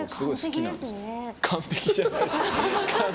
完璧じゃないですよ。